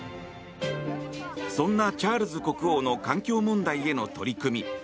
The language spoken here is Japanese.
そんな、チャールズ国王の環境問題への取り組み